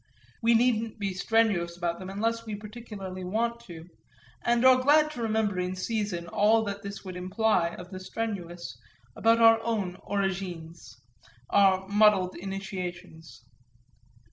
We needn't be strenuous about them unless we particularly want to, and are glad to remember in season all that this would imply of the strenuous about our own origines, our muddled initiations.